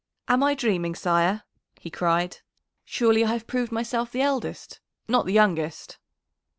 "Am I dreaming, sire?" he cried. "Surely I have proved myself the eldest, not the youngest!"